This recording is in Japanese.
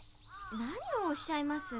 何をおっしゃいます。